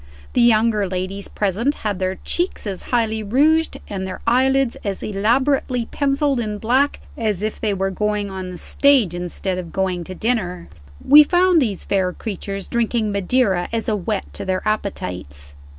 The younger ladies present had their cheeks as highly rouged and their eyelids as elaborately penciled in black as if they were going on the stage, instead of going to dinner. We found these fair creatures drinking Madeira as a whet to their appetites.